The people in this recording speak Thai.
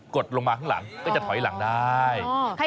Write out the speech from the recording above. ดลงมาข้างหลังก็จะถอยหลังได้